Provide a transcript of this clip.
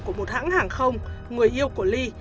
của một hãng hàng không người yêu của ly